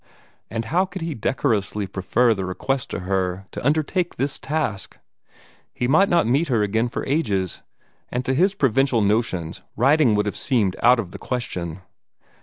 And how could he decorously prefer the request to her to undertake this task? He might not meet her again for ages, and to his provincial notions writing would have seemed out of the question.